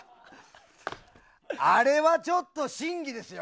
あれはちょっと審議ですよ。